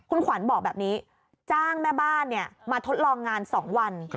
คุณขวัญบอกแบบนี้จ้างแม่บ้านมาทดลองงาน๒วัน